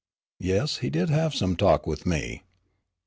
"Yes, he did have some talk with me."